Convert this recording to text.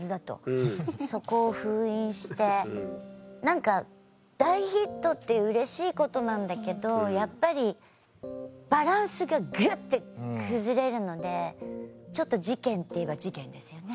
そこを封印して大ヒットってうれしいことなんだけどやっぱりバランスがグッて崩れるのでちょっと事件っていえば事件ですよね。